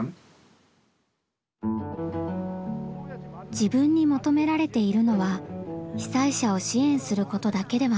自分に求められているのは被災者を支援することだけではない。